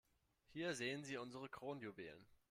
Hier sehen Sie unsere Kronjuwelen.